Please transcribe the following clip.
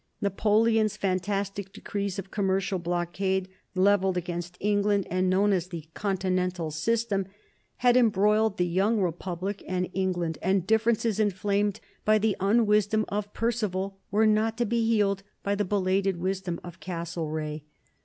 Napoleon's fantastic decrees of commercial blockade levelled against England, and known as the Continental system, had embroiled the young republic and England, and differences inflamed by the unwisdom of Perceval were not to be healed by the belated wisdom of Castlereagh.